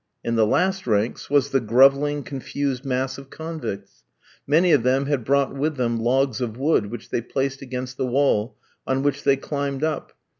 In the last ranks was the grovelling, confused mass of convicts. Many of them had brought with them logs of wood, which they placed against the wall, on which they climbed up.